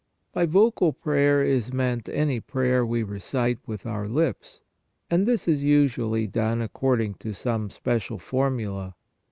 By vocal prayer is meant any prayer we recite with our lips, and this is usually done according to some special formula.